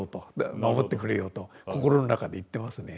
守ってくれよと心の中で言ってますね。